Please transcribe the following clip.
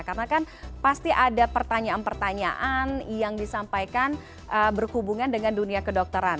karena kan pasti ada pertanyaan pertanyaan yang disampaikan berhubungan dengan dunia kedokteran